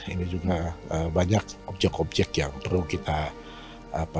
ini juga banyak objek objek yang perlu kita dimasuki